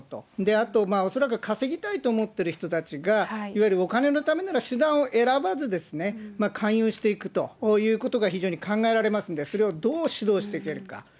あと恐らく稼ぎたいと思ってる人たちが、いわゆるお金のためなら手段を選ばず勧誘していくということが非常に考えられますので、それをどう指導していけるか。